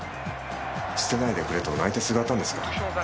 捨てないでくれと泣いてすがったんですか？